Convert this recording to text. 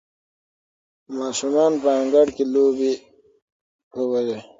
ماشومان په انګړ کې لوبې کولې.